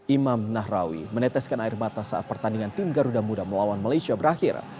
imam nahrawi meneteskan air mata saat pertandingan tim garuda muda melawan malaysia berakhir